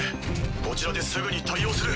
こちらですぐに対応する。